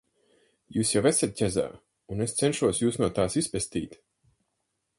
Jūs jau esat ķezā, un es cenšos Jūs no tās izpestīt.